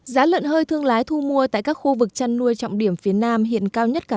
giá lợn hơi thương lái thu mua tại các khu vực chăn nuôi trọng điểm phía nam hiện cao nhất cả